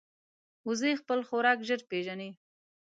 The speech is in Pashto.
وزې خپل خوراک ژر پېژني